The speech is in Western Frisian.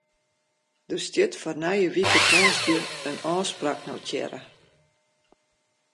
Der stiet foar nije wike tongersdei in ôfspraak notearre.